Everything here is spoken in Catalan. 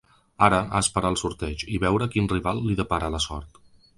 Ara, a esperar el sorteig, i veure quin rival li depara la sort.